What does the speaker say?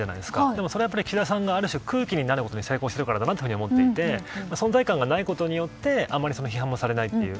でもそれは岸田さんが空気になることに成功しているからだと思っていて存在感がないことであまり批判もされないという。